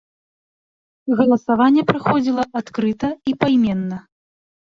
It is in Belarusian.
Галасаванне праходзіла адкрыта і пайменна.